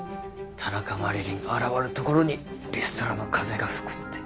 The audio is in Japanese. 「田中麻理鈴現る所にリストラの風が吹く」って。